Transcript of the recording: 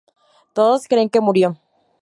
Todos creen que murió.